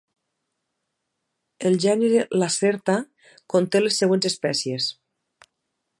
El gènere "Lacerta" conté les següents espècies.